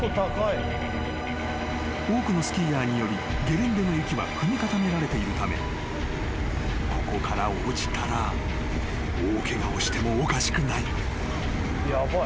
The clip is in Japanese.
［多くのスキーヤーによりゲレンデの雪は踏み固められているためここから落ちたら大ケガをしてもおかしくない］